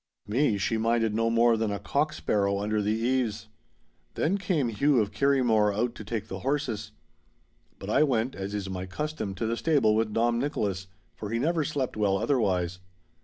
Me she minded no more than a cock sparrow under the eaves. Then came Hugh of Kirriemore out to take the horses. But I went, as is my custom, to the stable with Dom Nicholas, for he never slept well otherwise.